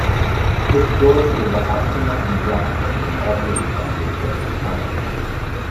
Historically the Atsina and Blackfoot could also be found at various times.